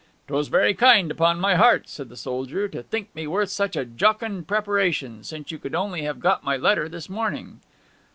''Twas very kind, upon my heart,' said the soldier, 'to think me worth such a jocund preparation, since you could only have got my letter this morning.'